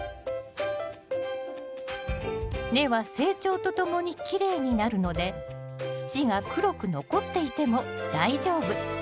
根は成長とともにきれいになるので土が黒く残っていても大丈夫。